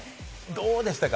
どうでしたか？